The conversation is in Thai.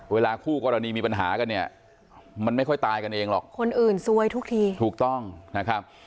คู่กรณีมีปัญหากันเนี่ยมันไม่ค่อยตายกันเองหรอกคนอื่นซวยทุกทีถูกต้องนะครับ